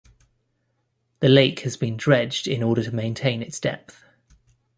The lake has been dredged in order to maintain its depth.